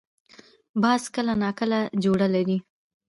باز کله نا کله جوړه لري